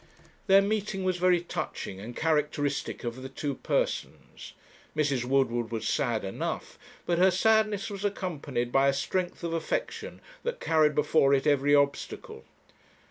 Their meeting was very touching, and characteristic of the two persons. Mrs. Woodward was sad enough, but her sadness was accompanied by a strength of affection that carried before it every obstacle.